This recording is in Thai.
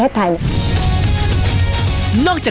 ขอบคุณครับ